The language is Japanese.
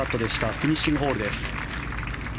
フィニッシングホールです。